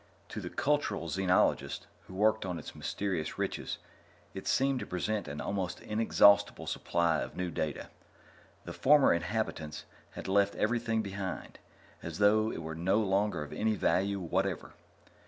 To the cultural xenologists who worked on its mysterious riches, it seemed to present an almost inexhaustible supply of new data. The former inhabitants had left everything behind, as though it were no longer of any value whatever.